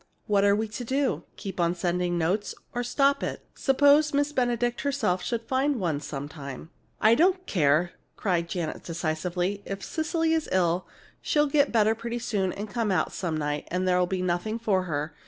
What are we to do? Keep on sending notes, or stop it? Suppose Miss Benedict herself should find one sometime." "I don't care!" cried Janet, decisively. "If Cecily is ill, she'll get better pretty soon and come out some night, and there'll be nothing for her.